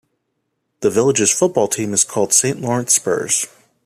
The village's football team is called Saint Lawrence Spurs.